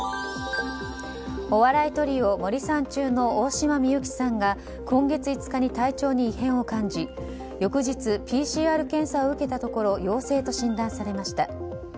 お笑いトリオ森三中の大島美幸さんが今月５日に体調に異変を感じ翌日、ＰＣＲ検査を受けたところ陽性と診断されました。